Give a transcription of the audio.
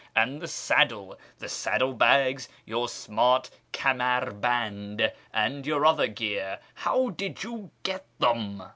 And the saddle, the saddle bags, your smart kamar hand, and your other gear, how did you get them